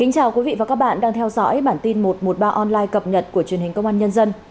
chào mừng quý vị đến với bản tin một trăm một mươi ba online cập nhật của truyền hình công an nhân dân